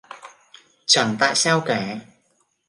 Chẳng Tại sao cả